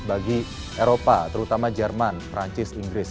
bagi eropa terutama jerman perancis inggris